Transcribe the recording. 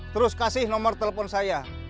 terus kasih nomor telepon saya